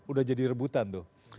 udah jadi rebutan tuh